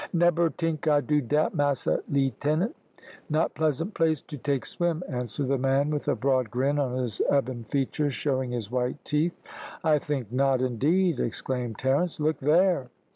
"Neber tink I do dat, massa leetenant. Not pleasant place to take swim," answered the man, with a broad grin on his ebon features, showing his white teeth. "I think not, indeed," exclaimed Terence. "Look there."